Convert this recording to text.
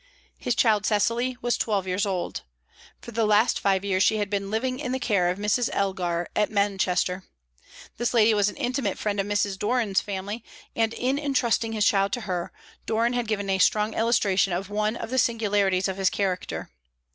His child, Cecily, was twelve years old. For the last five years she had been living in the care of Mrs. Elgar at Manchester. This lady was an intimate friend of Mrs. Doran's family, and in entrusting his child to her, Doran had given a strong illustration of one of the singularities of his character.